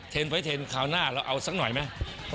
เทรนด์ไฟล์เทรนด์คราวหน้าเราเอาสักหน่อยไหม